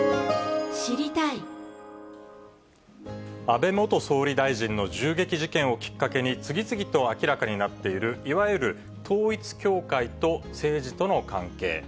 安倍元総理大臣の銃撃事件をきっかけに、次々と明らかになっている、いわゆる統一教会と政治との関係。